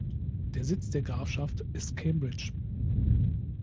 Der Sitz der Grafschaft ist Cambridge.